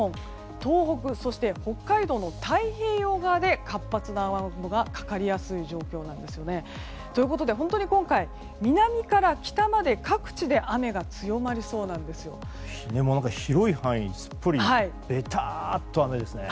東北、そして北海道の太平洋側で活発な雨雲がかかりやすい状況なんですね。ということで本当に今回南から北まで各地で雨が広い範囲すっぽりべたーっと雨ですね。